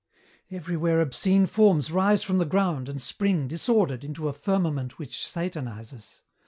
"Everywhere obscene forms rise from the ground and spring, disordered, into a firmament which satanizes.